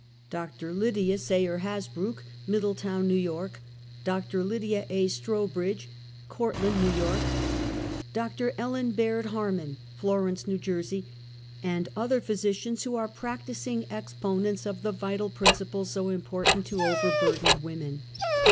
Dr. Lydia Sayer Hasbrouck, Middletown, i^". Y. : Dr. Lydia A. Strow bridge, Cortland, N". Y. ; Dr. Ellen Baird Ilarman, ^'iorence, iT. J., and other physicians who are practi cal exponants of the vital principals so important to over burdened women.